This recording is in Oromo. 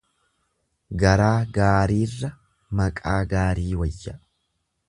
Garaa gaariirra maqaa gaarii wayya.